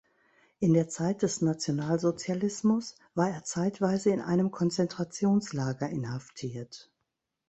In der Zeit des Nationalsozialismus war er zeitweise in einem Konzentrationslager inhaftiert.